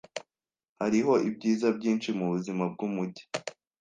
Hariho ibyiza byinshi mubuzima bwumujyi.